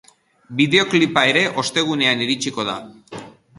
Bideoklipa ere, ostegunean iritsiko da.